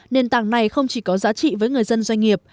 nền tảng này không chỉ có giá trị với người dân doanh nghiệp